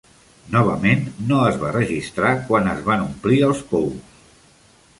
Novament, no es va registrar quan es van omplir els pous.